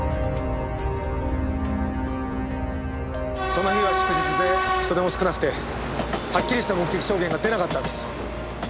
その日は祝日で人出も少なくてはっきりした目撃証言が出なかったんです。